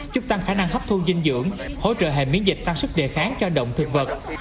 chúc tăng khả năng hấp thu dinh dưỡng hỗ trợ hệ miễn dịch tăng sức đề kháng cho động thực vật